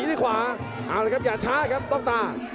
ด้วยขวาเอาเลยครับอย่าช้าครับต้องตา